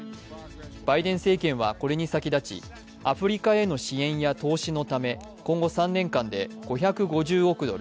バイデン政権はこれに先立ちアフリカへの支援や投資のため今後３年間で５５０億ドル